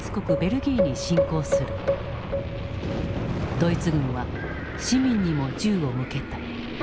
ドイツ軍は市民にも銃を向けた。